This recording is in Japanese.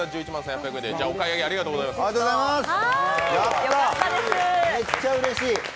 やった、めっちゃうれしい。